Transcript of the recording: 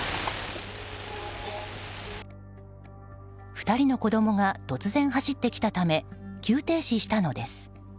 ２人の子供が突然、走ってきたため急停止したのです。